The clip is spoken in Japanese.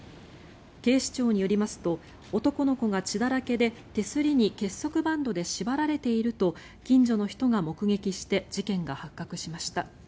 警視庁によりますと男の子が血だらけで手すりに結束バンドで縛られていると近所の人が目撃して事件が発覚しました。